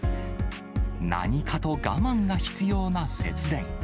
何かと我慢が必要な節電。